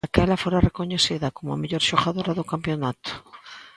Daquela fora recoñecida como a mellor xogadora do campionato.